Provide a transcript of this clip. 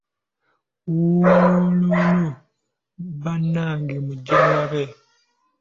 Wuulululuuu, abange mugye mulabe,